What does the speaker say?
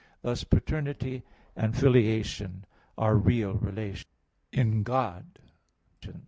Thus paternity and filiation are real relations in God.